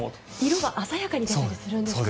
色が鮮やかになったりするんですかね。